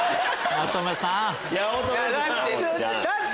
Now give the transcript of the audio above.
八乙女さん！